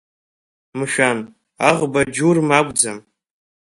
Мшәан, аӷба Џьурма акәӡам…